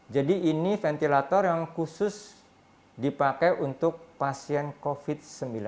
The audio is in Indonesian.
ini ventilator yang khusus dipakai untuk pasien covid sembilan belas